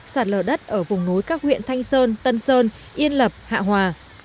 sạt lở đất ở vùng núi các huyện thanh sơn tân sơn yên lập hạ hòa